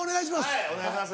はいお願いします。